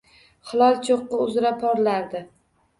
Hilol choʻqqi uzra porlardi